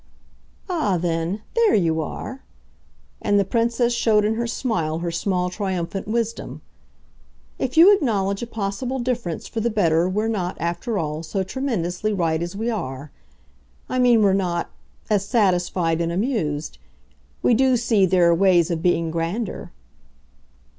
"Ah then there you are!" And the Princess showed in her smile her small triumphant wisdom. "If you acknowledge a possible difference for the better we're not, after all, so tremendously right as we are. I mean we're not as satisfied and amused. We do see there are ways of being grander."